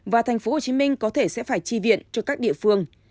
và tp hcm có thể sẽ phải chi viện cho các địa phương